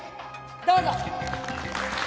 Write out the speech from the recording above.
どうぞ」